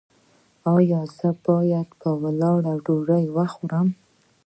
ایا زه باید په ولاړه ډوډۍ وخورم؟